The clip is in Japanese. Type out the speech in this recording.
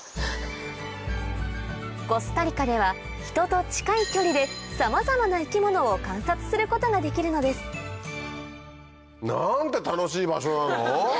コスタリカでは人と近い距離でさまざまな生き物を観察することができるのですなんて楽しい場所なの。